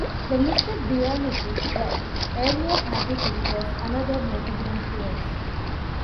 The mystic Dionysius the Areopagite was another notable influence.